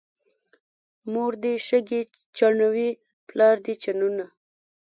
مور دې شګې چڼوي، پلار دې چنونه.